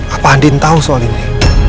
apa andin tahu soal ini